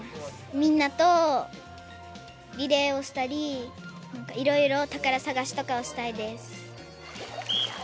みんなとリレーをしたり、なんかいろいろ宝探しとかをしたいです。